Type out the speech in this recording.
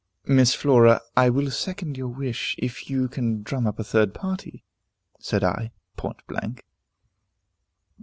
"Miss Flora, I will second your wish, if you can drum up a third party," said I, point blank.